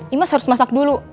ima harus masak dulu